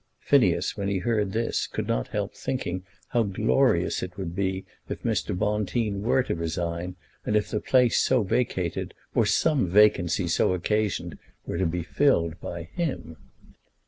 Phineas, when he heard this, could not help thinking how glorious it would be if Mr. Bonteen were to resign, and if the place so vacated, or some vacancy so occasioned, were to be filled by him!